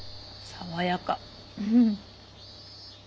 爽やか。